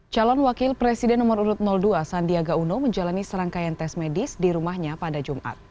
calon wakil presiden nomor urut dua sandiaga uno menjalani serangkaian tes medis di rumahnya pada jumat